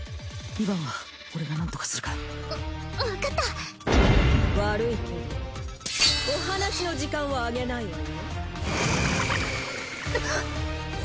二番は俺が何とかするからわ分かった悪いけどお話の時間はあげないわよな